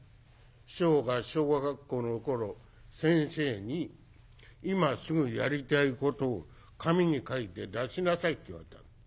師匠が小学校の頃先生に今すぐやりたいことを紙に書いて出しなさいって言われたの。